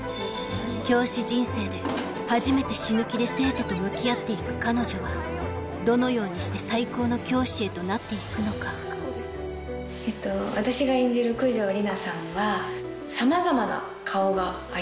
教師人生で初めて死ぬ気で生徒と向き合っていく彼女はどのようにして最高の教師へとなっていくのか私が演じる九条里奈さんは。